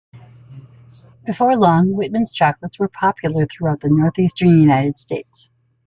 Before long, Whitman's chocolates were popular throughout the northeastern United States.